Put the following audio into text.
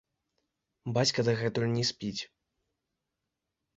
Бацька дагэтуль не спіць.